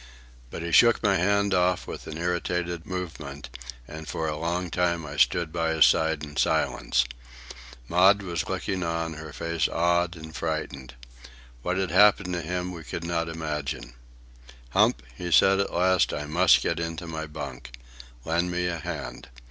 But he shook my hand off with an irritated movement, and for a long time I stood by his side in silence. Maud was looking on, her face awed and frightened. What had happened to him we could not imagine. "Hump," he said at last, "I must get into my bunk. Lend me a hand.